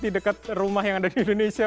di dekat rumah yang ada di indonesia